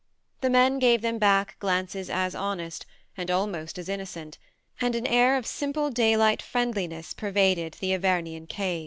The men gave them back glances as honest, and almost as inno cent, and an air of simple daylight friendliness pervaded the Avernian cave.